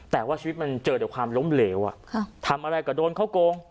แต่ว่าชีวิตมันเจอแต่ความล้มเหลวทำอะไรก็โดนเขาโกง